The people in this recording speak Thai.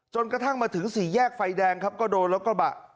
กระทั่งมาถึงสี่แยกไฟแดงครับก็โดนรถกระบะ